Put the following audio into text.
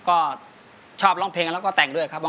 ก็ชอบร้องเพลงแล้วก็แต่งด้วยครับผม